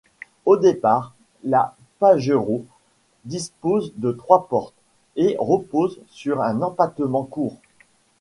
Au départ, la Pajero dispose de trois portes et repose sur un empattement court.